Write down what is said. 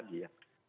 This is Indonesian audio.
di sini ada jutaan